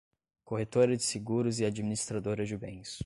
Corretora de Seguros e Administradora de Bens